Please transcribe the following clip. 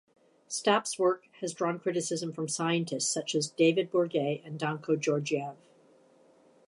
Stapp's work has drawn criticism from scientists such as David Bourget and Danko Georgiev.